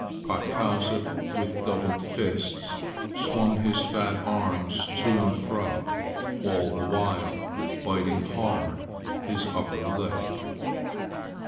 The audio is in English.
Patkasa, with doubled fists, swung his fat arms to and fro, all the while biting hard his under lip.